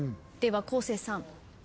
では昴生さん。